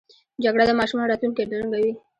جګړه د ماشومانو راتلونکی ړنګوي